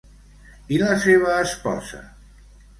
I la seva esposa?